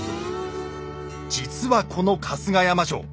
実はこの春日山城。